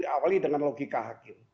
awalnya dengan logika hakim